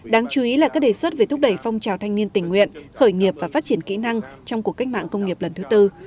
đáng chú ý là các đề xuất về thúc đẩy phong trào thanh niên tình nguyện khởi nghiệp và phát triển kỹ năng trong cuộc cách mạng công nghiệp lần thứ tư